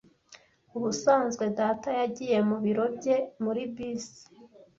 Ubusanzwe data yagiye mu biro bye muri bisi.